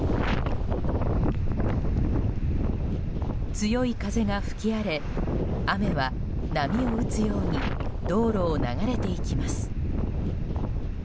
強い風が吹き荒れ雨は波を打つように道路を流れていきます。